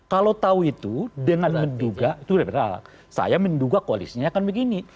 kalau tahu itu dengan menduga itu berbeda beda saya menduga koalisinya akan begini